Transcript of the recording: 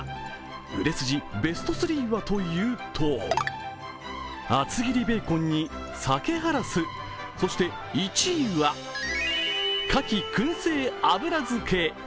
売れ筋ベスト３はというと厚切りベーコンにさけハラス、そして１位はかきくん製油漬け。